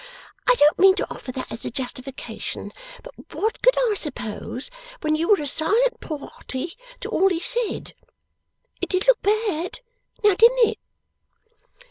I don't mean to offer that as a justification, but what could I suppose, when you were a silent party to all he said? It did look bad; now didn't it?